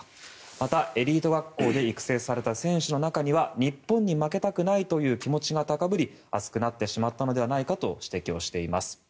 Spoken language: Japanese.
また、エリート学校で育成された選手の中には日本に負けたくないという気持ちが高ぶり熱くなってしまったのではないかと指摘をしています。